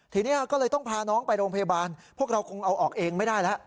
ทีนี้ก็เลยต้องพาน้องไปโรงพยาบาลพวกเราคงเอาออกเองไม่ได้แล้ว